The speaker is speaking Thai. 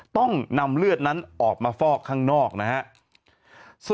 ต้องนำเลือดนั้นออกมาฟอกข้างนอกนะครับ